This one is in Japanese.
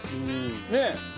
ねえ？